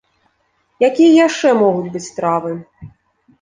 Якія яшчэ могуць быць стравы?